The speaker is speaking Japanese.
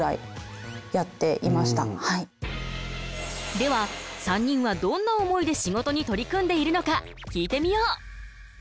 では３人はどんな思いで仕事に取り組んでいるのか聞いてみよう。